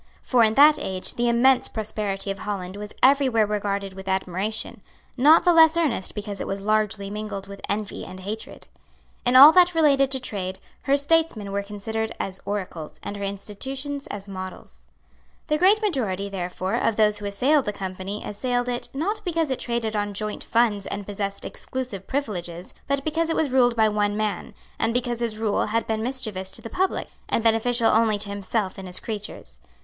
For in that age the immense prosperity of Holland was every where regarded with admiration, not the less earnest because it was largely mingled with envy and hatred. In all that related to trade, her statesmen were considered as oracles, and her institutions as models. The great majority, therefore, of those who assailed the Company assailed it, not because it traded on joint funds and possessed exclusive privileges, but because it was ruled by one man, and because his rule had been mischievous to the public, and beneficial only to himself and his creatures.